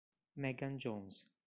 Megan Jones